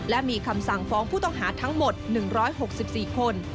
และมีคำสั่งฟ้องผู้ต้องหาทั้งหมด๑๖๔คน